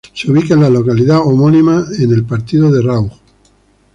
Se ubica en la localidad homónima, en el Partido de Rauch.